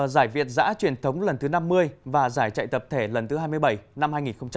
giải việt giã truyền thống lần thứ năm mươi và giải chạy tập thể lần thứ hai mươi bảy năm hai nghìn hai mươi